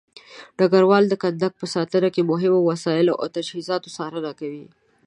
ډګروال د کندک په ساتنه کې د مهمو وسایلو او تجهيزاتو څارنه کوي.